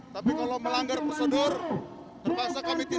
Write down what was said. tapi kalau melanggar prosedur terpaksa kami tindak